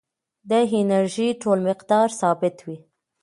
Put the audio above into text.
د انرژۍ ټول مقدار ثابت وي.